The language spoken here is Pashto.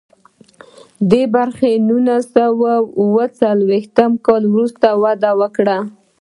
دې برخې له نولس سوه اوه څلویښتم کال وروسته وده وکړه.